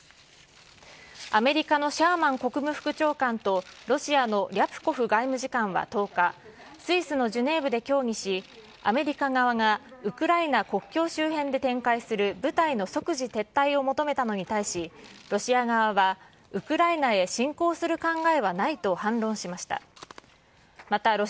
アメリカのシャーマン国務副長官とロシアのリャプコフ外務次官は１０日、スイスのジュネーブで協議し、アメリカ側がウクライナ国境周辺で展開する部隊の即時撤退を求めたのに対し、ロシア側はウクライナへ侵攻する考えはないと反論しました。